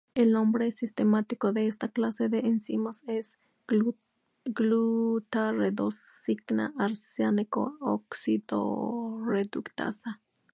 El nombre sistemático de esta clase de enzimas es "glutarredoxina:arseniato oxidorreductasa".